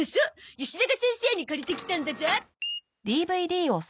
よしなが先生に借りてきたんだゾ。